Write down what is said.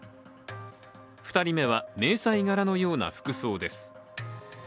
２人目は迷彩柄のような服装です。